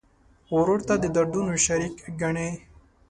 ورور ته د دردونو شریک ګڼې.